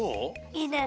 いいね。